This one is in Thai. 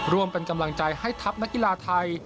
รวมเป็นกำลังใจให้ทัพนักกีฬาไทย